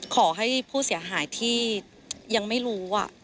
ขอให้ผู้เสียหายที่ยังไม่รู้